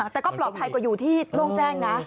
แต่ก็ปลอดภัยกว่าอยู่ที่โล่งแจ้งนะ